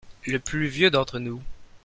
Le plus vieux d'entre nous.